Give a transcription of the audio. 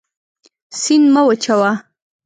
سیند مه وچوه.